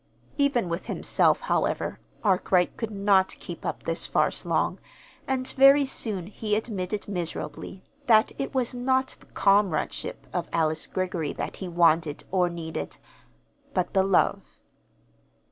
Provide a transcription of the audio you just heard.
Even with himself, however, Arkwright could not keep up this farce long, and very soon he admitted miserably that it was not the comradeship of Alice Greggory that he wanted or needed, but the love.